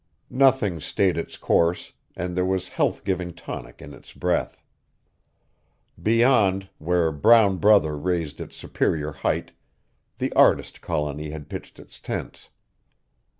Nothing stayed its course, and there was health giving tonic in its breath. Beyond, where Brown Brother raised its superior height, the artist colony had pitched its tents.